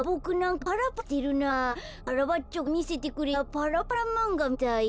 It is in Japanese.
カラバッチョがみせてくれたパラパラまんがみたい。